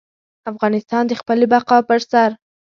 افغانستان د خپلې بقا پر سر.